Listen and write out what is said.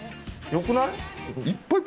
よくない？